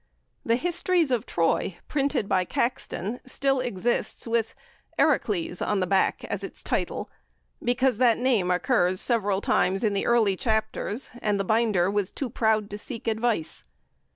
The "Histories of Troy," printed by Caxton, still exists with "Eracles" on the back, as its title, because that name occurs several times in the early chapters, and the binder was too proud to seek advice.